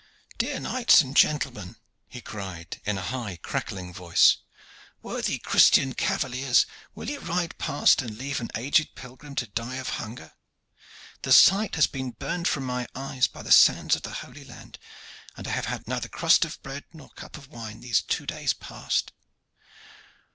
"Dear knights and gentlemen," he cried in a high crackling voice, "worthy Christian cavaliers, will ye ride past and leave an aged pilgrim to die of hunger? The sight hast been burned from mine eyes by the sands of the Holy Land, and I have had neither crust of bread nor cup of wine these two days past."